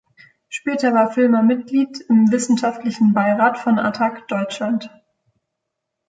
Später war Vilmar Mitglied im Wissenschaftlichen Beirat von Attac Deutschland.